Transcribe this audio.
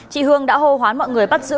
chị hương đã hô hoán mọi người bắt giữ